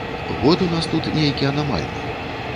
Год у нас тут нейкі анамальны!